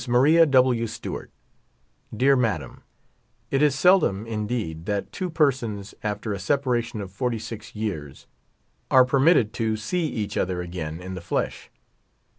Makia W. Stkwart : Dear Madam : It is seldom, indeed, that two persons, after a separation of fort3' six years, are permitted to see each otlier again in the flesh.